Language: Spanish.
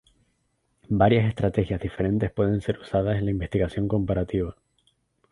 Varias estrategias diferentes pueden ser usadas en la investigación comparativa.